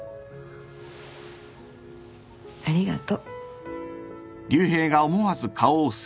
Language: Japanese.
ありがと。